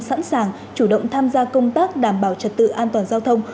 sẵn sàng chủ động tham gia công tác đảm bảo trật tự an toàn giao thông